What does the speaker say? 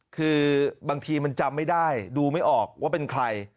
คือบางทีมันจำไม่ได้ดูไม่ออกว่าเป็นใคร